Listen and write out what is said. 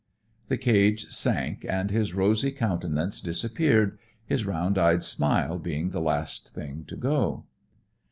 The cage sank and his rosy countenance disappeared, his round eyed smile being the last thing to go.